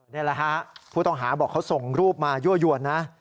นี่แหละฮะผู้ต้องหาบอกเขาส่งรูปมายั่วยวนนะ